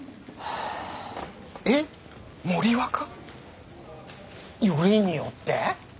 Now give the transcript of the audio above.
えっ？森若？よりによって？